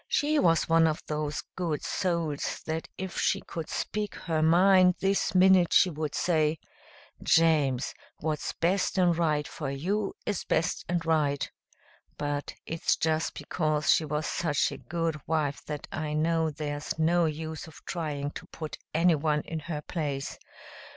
She was one of those good souls that if she could speak her mind this minute she would say, 'James, what's best and right for you is best and right.' But it's just because she was such a good wife that I know there's no use of trying to put anyone in her place.